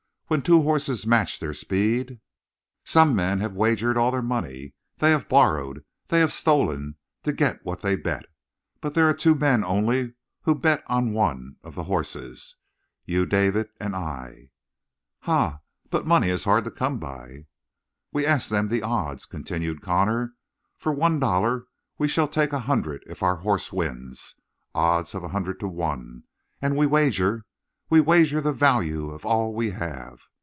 "When two horses match their speed " "Some men have wagered all their money. They have borrowed, they have stolen, to get what they bet. But there are two men only who bet on one of the horses. You, David, and I!" "Ha? But money is hard to come by." "We ask them the odds," continued Connor. "For one dollar we shall take a hundred if our horse wins odds of a hundred to one! And we wager. We wager the value of all we have.